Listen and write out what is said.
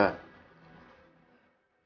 masih ada kesempatan buat gue untuk